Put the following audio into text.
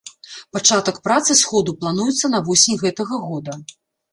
Пачатак працы сходу плануецца на восень гэтага года.